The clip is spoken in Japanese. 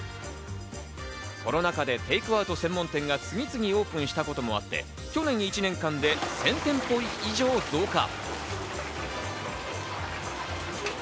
コロナ禍でテークアウト専門店が次々オープンしたこともあって、去年１年間で１０００店舗以上増加。